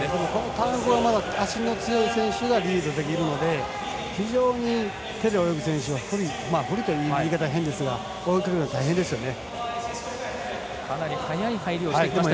ターン後の足の強い選手がリードできるので非常に手で泳ぐ選手が不利という言い方は変ですが追いかけるの大変ですね。